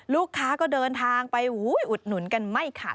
ลูกค้าก็เดินทางไปอุดหนุนกันไม่ขาด